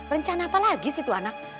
rencana apa lagi sih itu anak